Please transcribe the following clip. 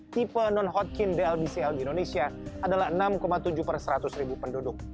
tipe non hodgkin dlbcl di indonesia adalah enam tujuh persatus ribu penduduk